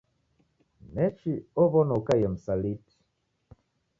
Nechi ow'ona ukaie msaliti